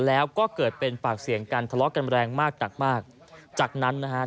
แล้วก็เกิดเป็นปากเสียงกันทะเลาะกันแรงมากหนักมากจากนั้นนะฮะ